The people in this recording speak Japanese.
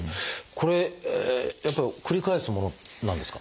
これやっぱり繰り返すものなんですか？